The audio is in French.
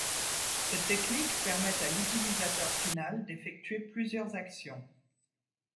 Cette technique permet à l'utilisateur final d'effectuer plusieurs actions.